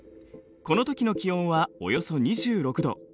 このときの気温はおよそ２６度。